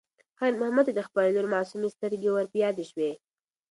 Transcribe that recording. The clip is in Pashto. خیر محمد ته د خپلې لور معصومې سترګې ور په یاد شوې.